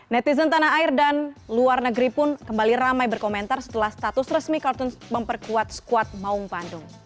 netizen tanah air dan luar negeri pun kembali ramai berkomentar setelah status resmi kartun memperkuat squad maung bandung